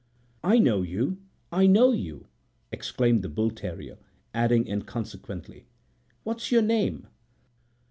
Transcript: "I know you! I know you!" exclaimed the bull terrier, adding inconsequently, "What's your name?"